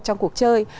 trong cuộc chơi